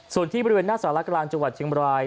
ส่วนที่บริเวณแสลการาชงวัดเชียงบราย